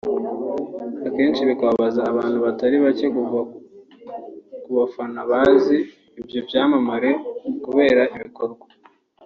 kenshi bibabaza abantu batari bake kuva kubafana bazi ibyo byamamare kubera ibikorwa